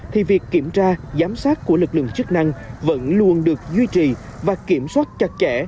thì việc kiểm tra giám sát của lực lượng chức năng vẫn luôn được duy trì và kiểm soát chặt chẽ